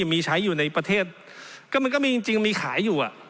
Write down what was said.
มีใช้อยู่ในประเทศก็มันก็มีจริงมีขายอยู่อ่ะ